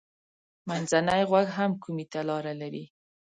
منځنی غوږ هم کومي ته لاره لري.